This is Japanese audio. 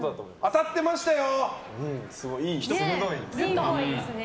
当たってましたよ！